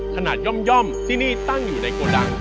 ย่อมที่นี่ตั้งอยู่ในโกดัง